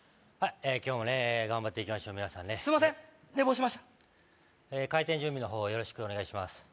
今日もね頑張っていきましょうすいません寝坊しました開店準備の方よろしくお願いします